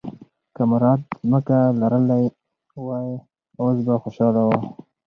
که مراد ځمکه لرلی وای، اوس به خوشاله و.